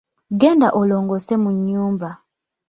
Genda olongoose mu nnyumba.